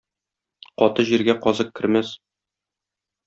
Каты җиргә казык кермәс.